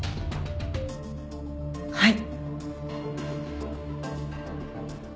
はい。